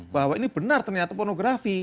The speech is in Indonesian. bahwa ini benar ternyata pornografi